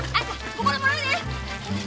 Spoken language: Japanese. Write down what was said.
ここのもらうで！